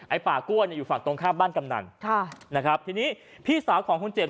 ป่ากล้วยเนี่ยอยู่ฝั่งตรงข้ามบ้านกำนันค่ะนะครับทีนี้พี่สาวของคนเจ็บ